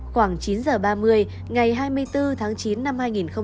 khoảng chín h ba mươi ngày hai mươi bốn tháng chín năm hai nghìn một mươi sáu